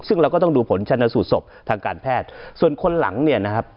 ซึ่งเราก็ต้องดูผลชนสูตรศพทางการแพทย์ส่วนคนหลังเนี่ยนะครับ